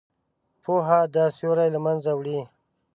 پوهه دا سیوری له منځه وړي.